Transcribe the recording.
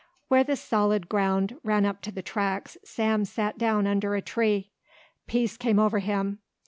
Where the solid ground ran up to the tracks Sam sat down under a tree. Peace came over him.